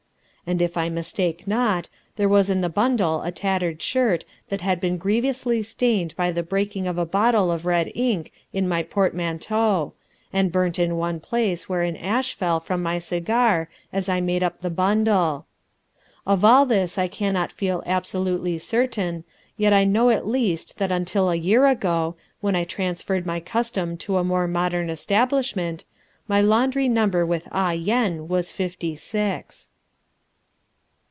And if I mistake not there was in the bundle a tattered shirt that had been grievously stained by the breaking of a bottle of red ink in my portmanteau, and burnt in one place where an ash fell from my cigar as I made up the bundle. Of all this I cannot feel absolutely certain, yet I know at least that until a year ago, when I transferred my custom to a more modern establishment, my laundry number with Ah Yen was Fifty Six.